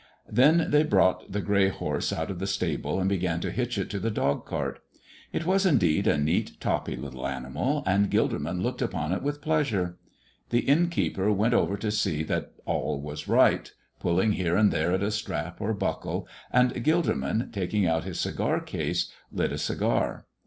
Then they brought the gray horse out of the stable and began to hitch it to the dog cart. It was, indeed, a neat, toppy little animal, and Gilderman looked upon it with pleasure. The innkeeper went over to see that all was right, pulling here and there at a strap or buckle, and Gilderman, taking out his cigar case, lit a cigar.